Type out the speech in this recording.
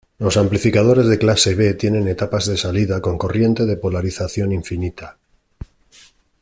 Los amplificadores de clase B tienen etapas de salida con corriente de polarización infinita.